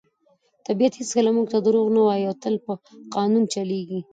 طبیعت هیڅکله موږ ته دروغ نه وایي او تل په خپل قانون چلیږي.